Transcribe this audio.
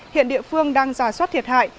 hiện địa phương đang giả soát thiệt hại